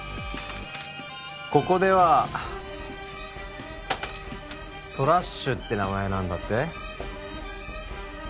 ここではトラッシュって名前なんだって？